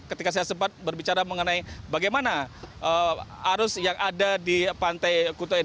ketika saya sempat berbicara mengenai bagaimana arus yang ada di pantai kutai